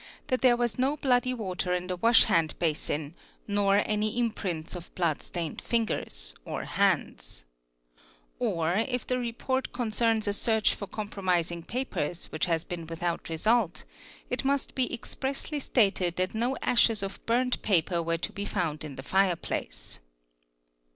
that there was no bloody water in the wash hand basin nor any unprints of blood stained fingers—or hands; or if the report concerns a search for compromising papers which has been without result, it must be ex pressly stated that no ashes of burnt paper were to be found in the fireplace.